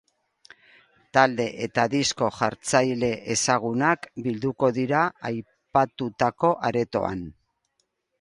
Talde eta disko jartzaile ezagunak bilduko dira aipatutako aretoan.